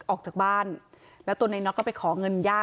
ออกจากบ้านแล้วตัวนายน็อกก็ไปขอเงินย่า